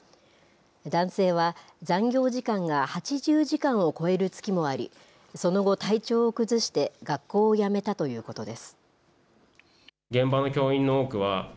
男性は、残業時間が８０時間を超える月もあり、その後、体調を崩して学校を辞めたということです。